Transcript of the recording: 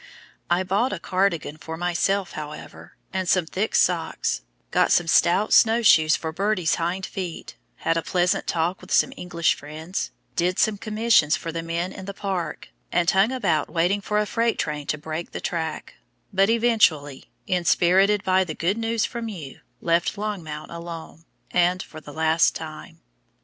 I bought a cardigan for myself, however, and some thick socks, got some stout snow shoes for Birdie's hind feet, had a pleasant talk with some English friends, did some commissions for the men in the park, and hung about waiting for a freight train to break the track, but eventually, inspirited by the good news from you, left Longmount alone, and for the last time.